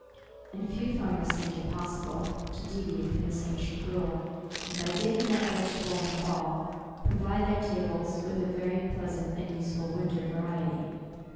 And few farmers think it possible to deviate from this ancient rule, and by digging that vegetable in the fall, provide their tables OCTOBER. 187 with a very pleasant and useful winter varie ty.